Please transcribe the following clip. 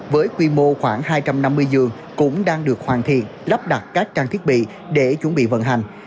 với quy mô khoảng hai trăm năm mươi giường cũng đang được hoàn thiện lắp đặt các trang thiết bị để chuẩn bị vận hành